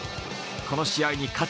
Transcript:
この試合に勝ち